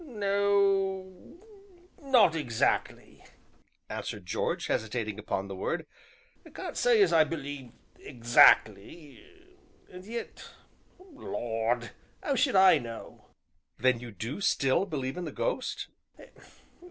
"N o o o not 'xactly," answered George, hesitating upon the word, "can't say as I believe 'xactly, and yet, Lord! 'ow should I know?" "Then you do still believe in the ghost?"